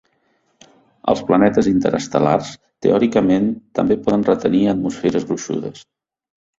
Els planetes interestel·lars, teòricament, també poden retenir atmosferes gruixudes.